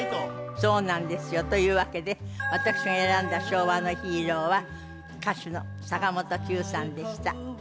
そうなんですよ。というわけで私が選んだ昭和のヒーローは歌手の坂本九さんでした。